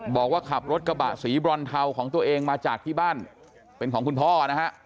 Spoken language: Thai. บอกว่าขับรถกระบะสีบรอนเทาของตัวเองมาจากที่บ้านเป็นของคุณพ่อนะฮะ